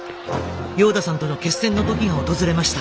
ヨーダさんとの決戦の時が訪れました。